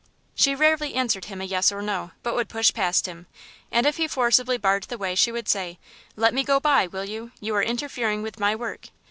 She rarely answered him a yes or no, but would push past him, and if he forcibly barred the way she would say, "Let me go by, will you? You are interfering with my work."